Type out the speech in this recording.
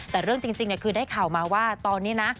แต่เรื่องจริงคือได้ข่าวมาว่าตอนนี้นะ